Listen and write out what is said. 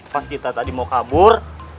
pas kita tadi mau kabur